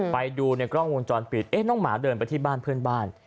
ไปดูในกล้องวงจรปิดเอ๊ะน้องหมาเดินไปที่บ้านเพื่อนบ้าน